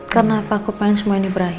karena apa aku pengen semua ini berakhir